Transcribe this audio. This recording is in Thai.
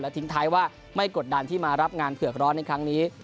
ทิ้งท้ายว่าไม่กดดันที่มารับงานเผือกร้อนในครั้งนี้